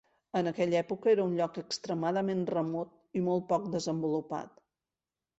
En aquella època, era un lloc extremadament remot i molt poc desenvolupat.